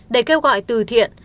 để kêu gọi từ thiện